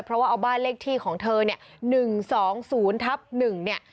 เพราะว่าเอาบ้านเลขที่ของเธอเนี่ย๑๒๐ทับ๑เนี่ย